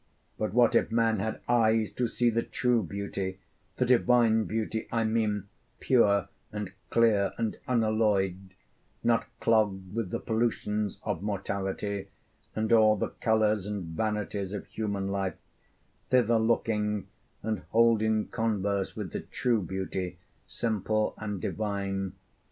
But what if man had eyes to see the true beauty the divine beauty, I mean, pure and clear and unalloyed, not clogged with the pollutions of mortality and all the colours and vanities of human life thither looking, and holding converse with the true beauty simple and divine?